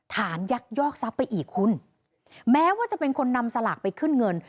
ยักยอกทรัพย์ไปอีกคุณแม้ว่าจะเป็นคนนำสลากไปขึ้นเงิน